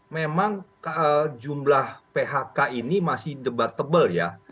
memang jumlah phk ini masih debat tebal ya